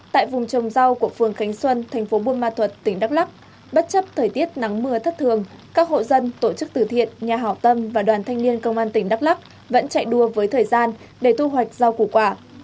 tại vùng trồng rau của phường khánh xuân thành phố buôn ma thuật tỉnh đắk lắc bất chấp thời tiết nắng mưa thất thường các hộ dân tổ chức từ thiện nhà hảo tâm và đoàn thanh niên công an tỉnh đắk lắc vẫn chạy đua với thời gian để thu hoạch rau củ quả